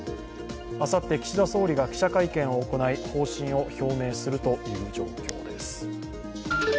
あさって岸田総理が記者会見を行い、方針を表明するという状況のようです。